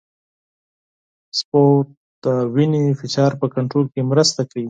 سپورت د وینې فشار په کنټرول کې مرسته کوي.